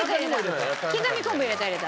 刻み昆布入れた入れた。